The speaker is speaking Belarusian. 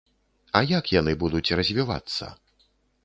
А як яны будуць развівацца?